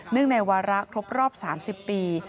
เนื่องในวาระครบรอบ๓๐ปี